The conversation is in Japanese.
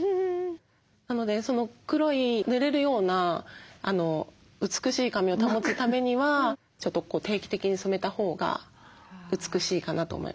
なのでその黒いぬれるような美しい髪を保つためには定期的に染めたほうが美しいかなと思います。